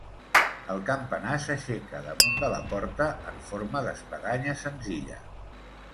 El campanar s'aixeca damunt de la porta en forma d'espadanya senzilla.